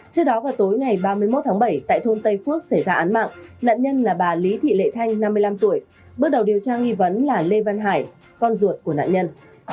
trước đó vào tối ngày ba mươi một tháng bảy tại thôn tây phước xảy ra án mạng nạn nhân là bà lý thị lệ thanh năm mươi năm tuổi bước đầu điều tra nghi vấn là lê văn hải con ruột của nạn nhân